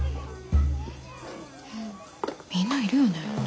みんないるよね？